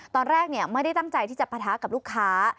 ตอนแรกไม่ได้ตั้งใจที่จะปะทะกับลูกค้า